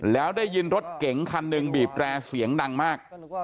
แล้วได้ยินรถเก๋งคันหนึ่งบีบแร่เสียงดังมาก